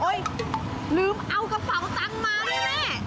โอ๊ยลืมเอากระเป๋าตังมานะแม่